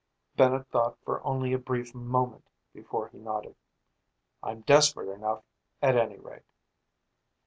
Bennett thought for only a brief moment before he nodded. "I'm desperate enough, at any rate."